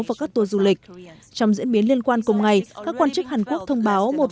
và các tour du lịch trong diễn biến liên quan cùng ngày các quan chức hàn quốc thông báo một